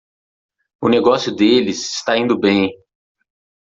O negócio deles está indo bem